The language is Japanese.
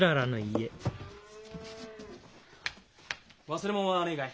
忘れ物はねえがい？